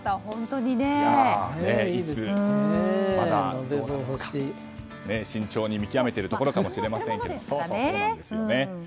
いつ、またと慎重に見極めているところかもしれませんね。